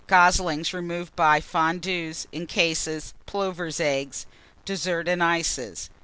Goslings, removed by Cheesecake Fondues, in cases. Plover's Eggs. DESSERT AND ICES.